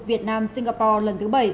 việt nam singapore lần thứ bảy